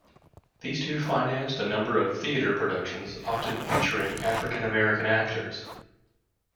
These two financed a number of theatre productions, often featuring African American actors.